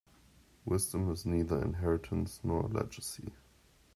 Wisdom is neither inheritance nor a legacy.